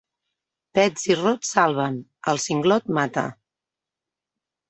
Pets i rots salven, el singlot mata.